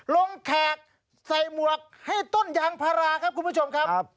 แขกใส่หมวกให้ต้นยางพาราครับคุณผู้ชมครับ